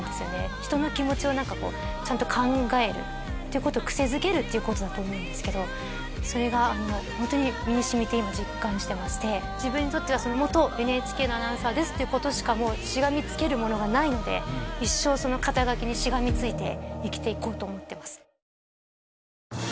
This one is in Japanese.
人の気持ちを何かこうちゃんと考えるっていうことをクセづけるっていうことだと思うんですけどそれがホントに身に染みて今実感してまして自分にとっては元ＮＨＫのアナウンサーですっていうことしかもうしがみつけるものがないので一生その肩書にしがみついて生きていこうと思ってます